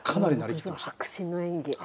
迫真の演技。